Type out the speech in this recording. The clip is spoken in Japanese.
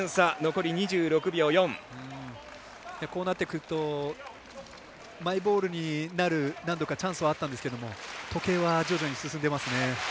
こうなってくるとマイボールになる何度かチャンスはあったんですが時計は徐々に進んでいますね。